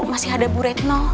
masih ada bu retno